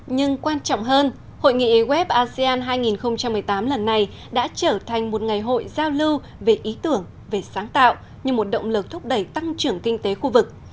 nhưng quan trọng hơn hội nghị web asean hai nghìn một mươi tám lần này đã trở thành một ngày hội giao lưu về ý tưởng về sáng tạo như một động lực thúc đẩy tăng trưởng kinh tế khu vực